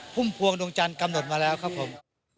พุ่มพวงดวงจันทร์กำหนดมาแล้วครับผม